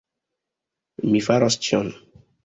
Mi faros ĉion!